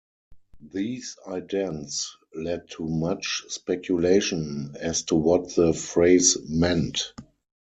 These idents led to much speculation as to what the phrase meant.